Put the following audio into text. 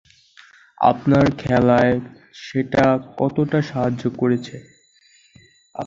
আপনার খেলায় সেটা কতটা সাহায্য করেছে?